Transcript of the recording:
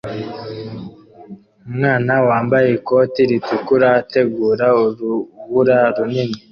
Umwana wambaye ikote ritukura ategura urubura runini